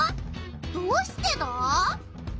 どうしてだ？